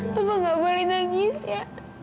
kava gak boleh nangis ya